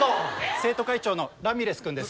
生徒会長のラミレス君です。